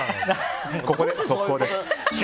ここで速報です。